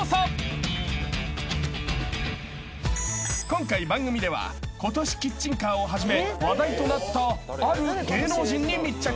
［今回番組では今年キッチンカーを始め話題となったある芸能人に密着］